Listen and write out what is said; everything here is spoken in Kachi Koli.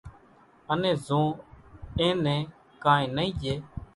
انين زو اين نين ڪانئين نئي ڄي